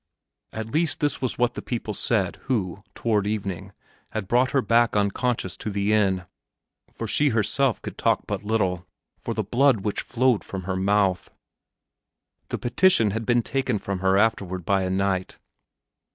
At least this was what the people said who, toward evening, had brought her back unconscious to the inn; for she herself could talk but little for the blood which flowed from her mouth. The petition had been taken from her afterward by a knight.